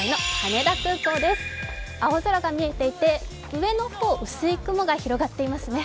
青空が見えていて上の方、薄い雲が広がっていますね。